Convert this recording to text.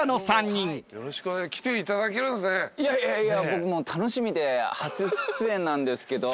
僕もう楽しみで初出演なんですけど。